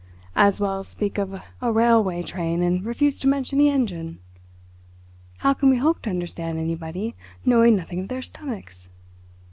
As well speak of a railway train and refuse to mention the engine. How can we hope to understand anybody, knowing nothing of their stomachs?